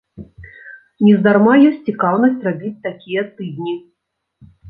Нездарма ёсць цікаўнасць рабіць такія тыдні.